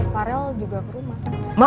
farel juga ke rumah